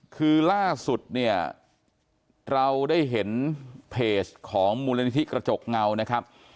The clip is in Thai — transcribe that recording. คือล่าสุดเนี่ยเราได้เห็นเพจของมูลนิธิกระจกเงานะครับ